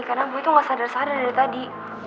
karena boy tuh gak sadar sadar dari tadi